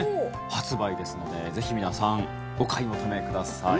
発売ですのでぜひ皆さんお買い求めください。